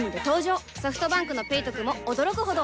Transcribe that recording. ソフトバンクの「ペイトク」も驚くほどおトク